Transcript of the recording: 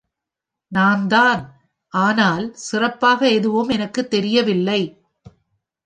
நான் தான், ஆனால் சிறப்பாக எதுவும் எனக்குத் தெரியவில்லை.